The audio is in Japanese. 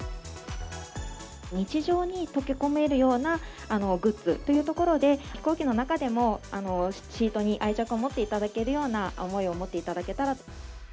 日常に溶け込めるようなグッズというところで、飛行機の中でも、シートに愛着を持っていただけるような思いを持っていただけたら。